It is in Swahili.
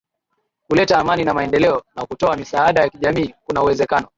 kuleta amani na maendeleo na kutoa misaada ya kijamii Kuna uwezekano